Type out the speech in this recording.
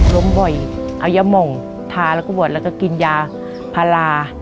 ล้มบ่อยเอายาหม่องทาแล้วก็บอดแล้วก็กินยาพารา